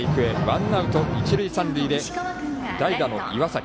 ワンアウト、一塁三塁で代打の岩崎。